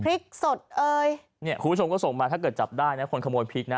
พริกสดเอ่ยเนี่ยคุณผู้ชมก็ส่งมาถ้าเกิดจับได้นะคนขโมยพริกนะ